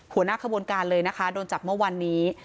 หัวหน้าขบวนการเลยนะคะโดนจับเมื่อวันนี้